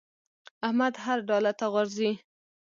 احمد هر ډاله ته غورځي.